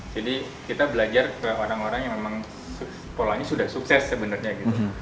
jadi kita belajar ke orang orang yang memang polanya sudah sukses sebenarnya gitu